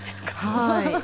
はい。